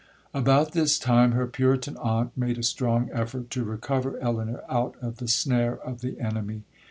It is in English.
'About this time, her Puritan aunt made a strong effort to recover Elinor out of the snare of the enemy.